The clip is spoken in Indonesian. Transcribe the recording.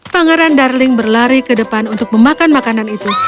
pangeran darling berlari ke depan untuk memakan makanan itu